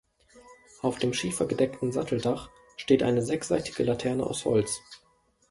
Auf dem schiefergedeckten Satteldach steht eine sechsseitige Laterne aus Holz.